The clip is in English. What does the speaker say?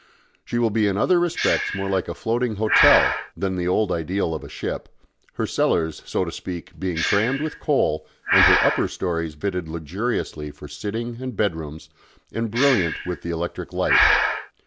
She will be in other respects more like a floating hotel than the old ideal of a ship, her cellars, so to speak, being crammed with coal and her upper stories fitted luxuriously for sitting and bed rooms and brilliant with the electric light.